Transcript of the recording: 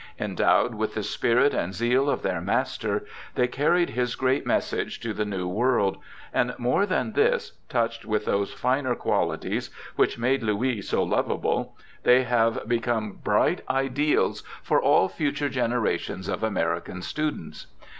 Endowed with the spirit and zeal of their master, they carried his great message to the New World ; and more than this, touched with those finer qualities which made Louis so lovable, they have become bright ideals for all future generations of American students.